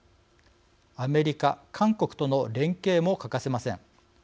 アメリカ韓国との連携も欠かせません。